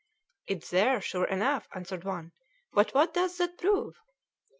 "It's there, sure enough," answered one; "but what does that prove?"